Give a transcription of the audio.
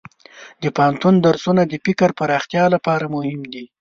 د پوهنتون درسونه د فکر پراختیا لپاره مهم دي.